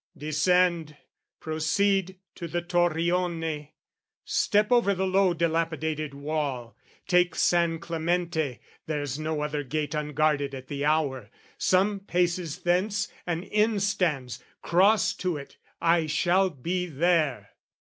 "Descend, proceed to the Torrione, step "Over the low dilapidated wall, "Take San Clemente, there's no other gate "Unguarded at the hour: some paces thence "An inn stands; cross to it; I shall be there."